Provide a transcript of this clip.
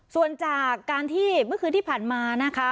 ส่วนจากการที่เมื่อคืนที่ผ่านมานะคะ